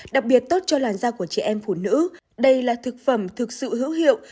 đặc biệt tốt cho làn da của chị em phụ nữ đây là thực phẩm thực sự hữu hiệu